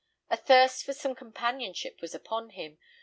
A thirst for some companionship was upon him.